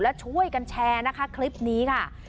และช่วยกันแชร์คลิปนี้ค่ะ